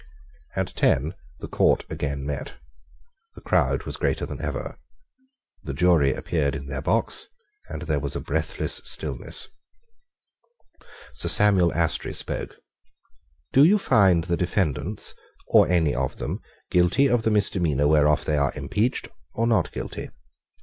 At ten the Court again met. The crowd was greater than ever. The jury appeared in their box; and there was a breathless stillness. Sir Samuel Astry spoke. "Do you find the defendants, or any of them, guilty of the misdemeanour whereof they are impeached, or not guilty?"